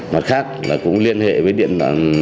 mặt khác là cũng liên hệ với điện thoại